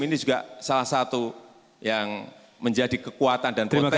ini juga salah satu yang menjadi kekuatan dan potensi